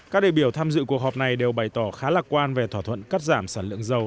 các đại biểu tham dự cuộc họp này đều bày tỏ khá lạc quan về thỏa thuận cắt giảm sản lượng dầu